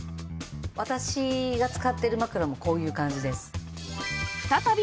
私が使っている枕もこういう感じです。